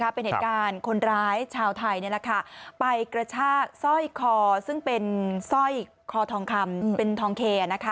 เป็นเหตุการณ์คนร้ายชาวไทยไปกระชากสร้อยคอซึ่งเป็นสร้อยคอทองคำเป็นทองเค